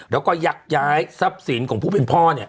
แล้วก็ยักย้ายทรัพย์สินของผู้เป็นพ่อ